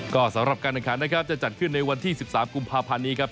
ก็สำหรับการแข่งขันนะครับจะจัดขึ้นในวันที่๑๓กุมภาพันธ์นี้ครับ